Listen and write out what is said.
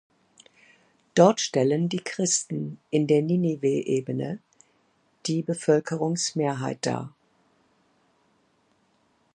Dort stellen die Christen in der Ninive-Ebene die Bevölkerungsmehrheit dar.